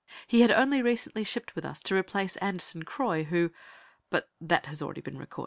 He had only recently shipped with us to replace Anderson Croy, who but that has already been recorded.